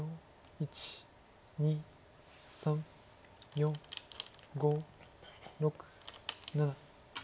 １２３４５６７。